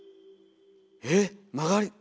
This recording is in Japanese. えっ曲がり。